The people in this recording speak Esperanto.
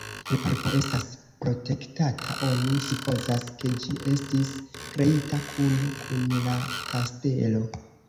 La parko estas protektata, oni supozas, ke ĝi estis kreita kune kun la kastelo.